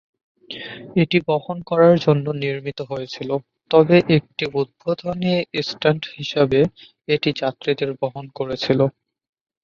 এটি বহন করার জন্য নির্মিত হয়েছিল, তবে একটি উদ্বোধনী স্টান্ট হিসাবে এটি যাত্রীদের বহন করেছিল।